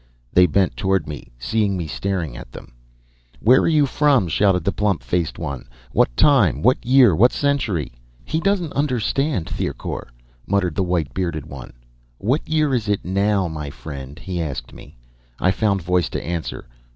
"They bent toward me, seeing me staring at them. "'Where are you from?' shouted the plump faced one. 'What time what year what century?' "'He doesn't understand, Thicourt,' muttered the white bearded one. 'What year is this now, my friend?' he asked me. "I found voice to answer.